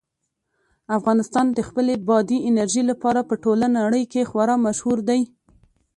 افغانستان د خپلې بادي انرژي لپاره په ټوله نړۍ کې خورا مشهور دی.